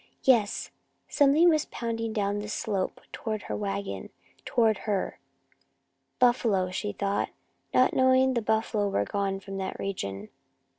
Yes, something was pounding down the slope toward her wagon, toward her. Buffalo, she thought, not knowing the buffalo were gone from that region.